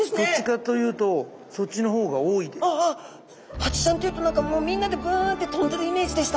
ハチちゃんというと何かもうみんなでブンって飛んでるイメージでした。